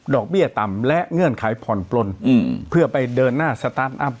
เบี้ยต่ำและเงื่อนไขผ่อนปลนเพื่อไปเดินหน้าสตาร์ทอัพ